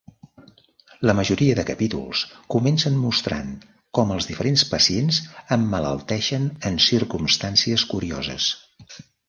La majoria de capítols comencen mostrant com els diferents pacients emmalalteixen en circumstàncies curioses.